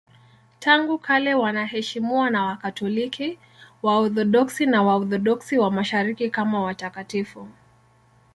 Tangu kale wanaheshimiwa na Wakatoliki, Waorthodoksi na Waorthodoksi wa Mashariki kama watakatifu.